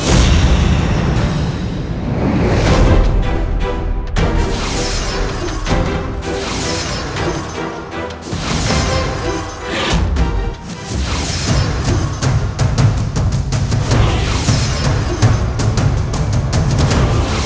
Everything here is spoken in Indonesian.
ibu unda akan menemukanmu